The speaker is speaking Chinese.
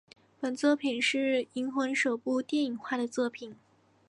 本作品是银魂首部电影化的作品。